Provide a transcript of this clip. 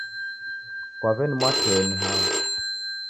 Kwa w'eni Mwatee ni hao?